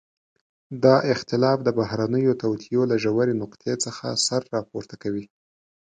دا اختلاف د بهرنيو توطئو له ژورې نقطې څخه سر راپورته کوي.